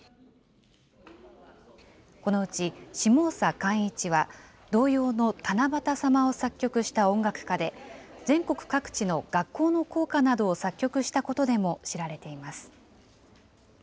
このうち、下總皖一は、童謡のたなばたさまを作曲した音楽家で、全国各地の学校の校歌などを作曲したことでも知られています。